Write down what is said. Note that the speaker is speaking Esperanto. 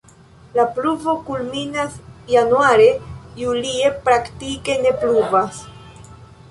La pluvo kulminas januare, julie praktike ne pluvas.